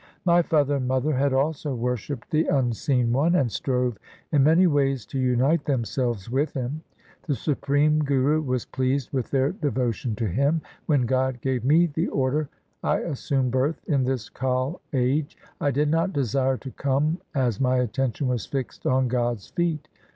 My father and mother had also worshipped the Unseen One, And strove in many ways to unite themselves with Him. The Supreme Guru was pleased With their devotion to Him. When God gave me the order I assumed birth in this Kal age. I did not desire to come, As my attention was fixed on God's feet.